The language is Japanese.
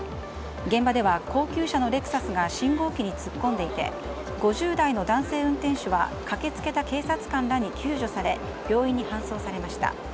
現場では高級車のレクサスが信号機に突っ込んでいて５０代の男性運転手が駆けつけた警察官らに救助され、病院に搬送されました。